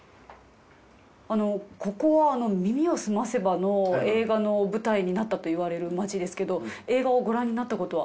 ここは『耳をすませば』の映画の舞台になったといわれる街ですけど映画をご覧になったことは。